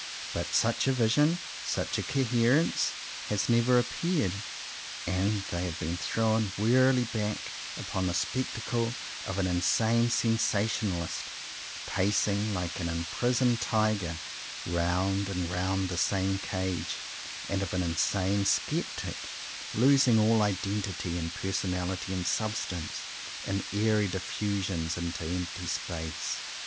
But such a vision, such a coherence, has never appeared; and they have been thrown wearily back upon the spectacle of an insane sensationalist, pacing, like an imprisoned tiger, round and round the same cage; and of an insane sceptic, losing all identity and personality and substance, in airy diffusion into empty space.